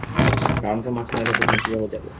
টার্মকে মাঝখানে রেখে তুমি কিভাবে যাবে?